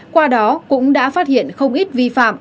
qua đó cũng đã phát hiện không ít vi phạm